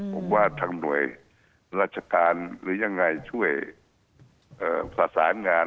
ผมว่าทางหน่วยราชการหรือยังไงช่วยประสานงาน